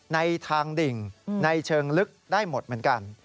ในทางดิ่งในเชิงลึกได้หมดเหมือนกัน